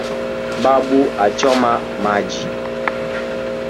"Babu achoma maji